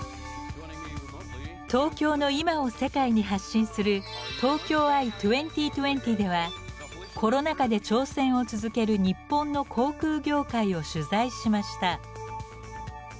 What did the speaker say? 東京の今を世界に発信するコロナ禍で挑戦を続ける日本の航空業界を取材しました。